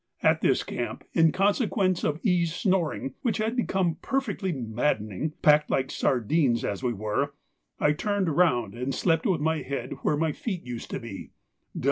At this camp, in consequence of E.'s snoring, which had become perfectly maddening, packed like sardines as we were, I turned round and slept with my head where my feet used to be.